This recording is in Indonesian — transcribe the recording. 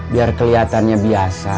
biar kelihatannya biasa